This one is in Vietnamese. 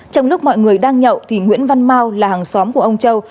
trong lúc mọi người đang nhậu thì nguyễn văn mau là hàng xóm của ông châu